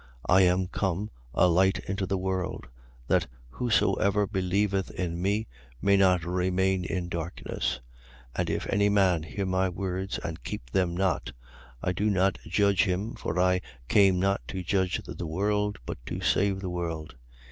12:46. I am come, a light into the world, that whosoever believeth in me may not remain in darkness. 12:47. And if any man hear my words and keep them not, I do not judge him for I came not to judge the world, but to save the world.